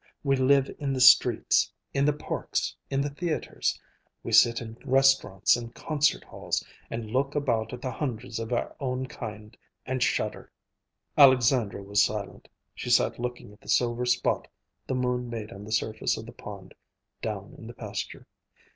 We live in the streets, in the parks, in the theatres. We sit in restaurants and concert halls and look about at the hundreds of our own kind and shudder." Alexandra was silent. She sat looking at the silver spot the moon made on the surface of the pond down in the pasture.